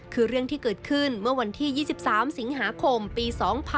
คือเรื่องที่เกิดขึ้นเมื่อวันที่๒๓สิงหาคมปี๒๕๖๒